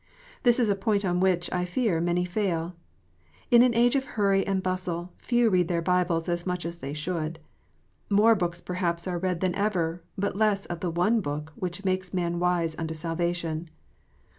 This is a point on which, I fear, many fail. In an age of hurry and bustle, few read their Bibles as much as they should. More books perhaps are read than ever, but less of the one Book which makes man wise unto salvation.